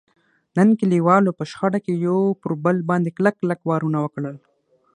نن کلیوالو په شخړه کې یو پر بل باندې کلک کلک وارونه وکړل.